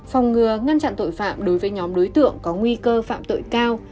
phòng ngừa ngăn chặn tội phạm đối với nhóm đối tượng có nguy cơ phạm tội cao